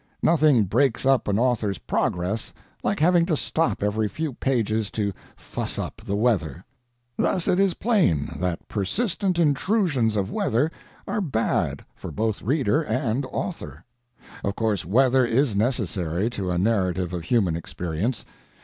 Nothing breaks up an author's progress like having to stop every few pages to fuss up the weather. Thus it is plain that persistent intrusions of weather are bad for both reader and author. Of course weather is necessary to a narrative of human experience.